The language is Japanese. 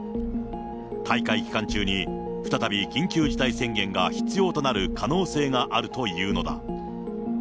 大会期間中に、再び緊急事態宣言が必要となる可能性があるというのだ。